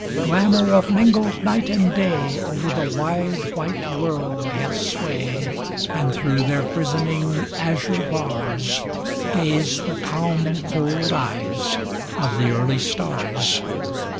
Glamour of mingled night and day Over the wide, white world has sway. And through their prisoning azure bars, Gaze the calm, cold eyes of the early stars.